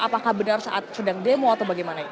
apakah benar saat sedang demo